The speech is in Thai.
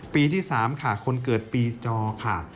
ปีที่๓ค่ะคนเกิดปีจอค่ะ